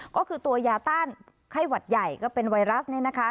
ก็คือตัวยาต้านไข้หวัดใหญ่ก็เป็นไวรัสเนี่ยนะคะ